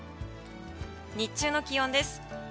日中の気温です。